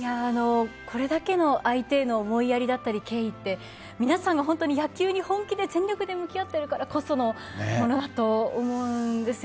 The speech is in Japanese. これだけの相手への思いやりだったり敬意は皆さんが本当に野球に本気で全力で向き合っているからこそのものだと思うんです。